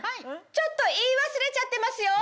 ちょっと言い忘れちゃってますよ！